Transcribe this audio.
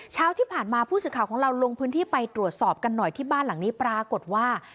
เช้าที่ผ่านมาผู้สื่อข่าวของเราลงพื้นที่ไปตรวจสอบกันหน่อยที่บ้านหลังนี้ปรากฏว่า